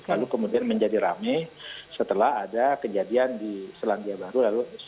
lalu kemudian menjadi rame setelah ada kejadian di selandia baru